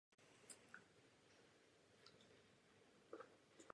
Hlasování bude probíhat jmenovitě.